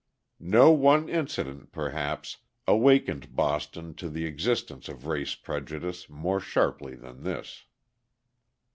No one incident, perhaps, awakened Boston to the existence of race prejudice more sharply than this.